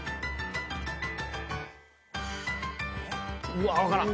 うわ分からん。